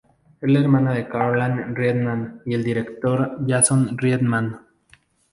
Es la hermana de Caroline Reitman y del director Jason Reitman.